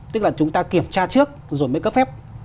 tức là chúng ta kiểm tra trước rồi mới cấp phép